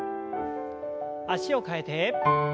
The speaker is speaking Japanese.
脚を替えて。